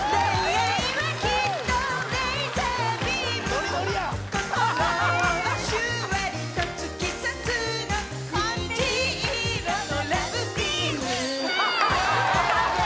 ノリノリや・完璧！